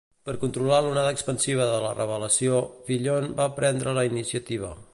Per controlar l'onada expansiva de la revelació, Fillon va prendre la iniciativa.